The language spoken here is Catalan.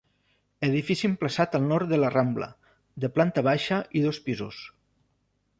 Edifici emplaçat al nord de la Rambla, de planta baixa i dos pisos.